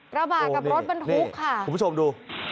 ระบาดกับรถบรรทุกค่ะคุณผู้ชมดู